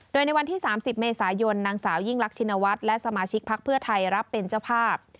โดยในวันที่๓๐เมษายนนางสาวยิ่งรักชินวัฒน์และสมาชิกพักเพื่อไทยรับเป็นเจ้าภาพ